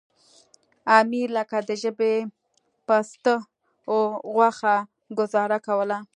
امیر لکه د ژبې پسته غوښه ګوزاره کوله.